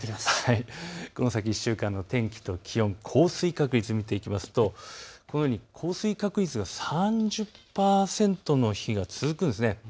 この先１週間の天気と気温、降水確率を見ていきますと降水確率が３０％の日が続くんです。